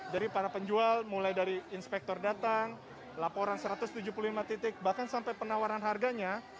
jadi para penjual mulai dari inspektor datang laporan satu ratus tujuh puluh lima titik bahkan sampai penawaran harganya